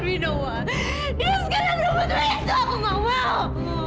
ya tuhan kenapa dia mencintai om hari ini